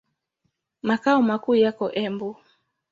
Makao makuu yako Embu.